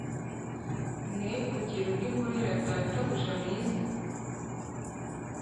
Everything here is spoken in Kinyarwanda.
Ne kugira undi nkorera databuja mwiza